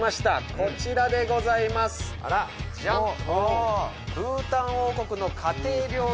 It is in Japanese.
こちらでございますジャン！